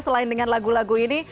selain dengan lagu lagu ini